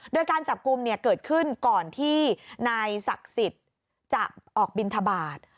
โดยการจับกลุ่มเนี่ยเกิดขึ้นก่อนที่นายศักดิ์สิทธิ์จะออกบินทบาท